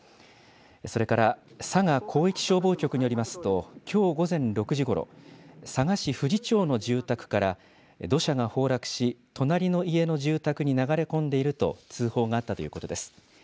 それから佐賀広域消防局によりますと、きょう午前６時ごろ、佐賀市ふじ町の住宅から土砂が崩落し、隣の家の住宅に流れ込んでいると通報があったということです。